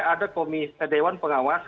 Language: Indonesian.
ada komis dewan pengawas